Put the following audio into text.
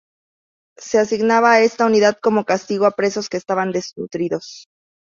Se asignaban a esta unidad, como castigo, a presos que estaban desnutridos.